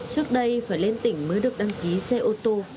trước đây phải lên tỉnh mới được đăng ký xe ô tô